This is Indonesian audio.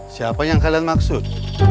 siapa yang kalian maksud